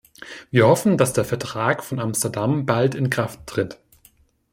Wir hoffen, dass der Vertrag von Amsterdam bald in Kraft tritt.